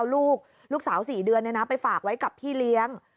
เอาลูกลูกสาว๔เดือนไปฝากไว้กับพี่เลี้ยง